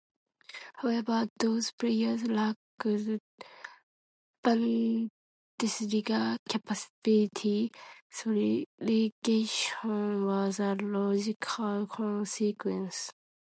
However, those players lacked Bundesliga capability, so relegation was a logical consequence.